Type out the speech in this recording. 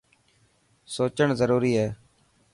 سوچڻ ضروري هي.